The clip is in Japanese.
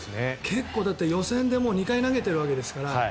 だって予選で２回投げてるわけですから。